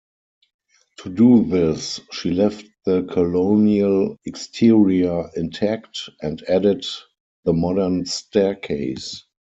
To do this, she left the colonial exterior intact and added the modern staircase.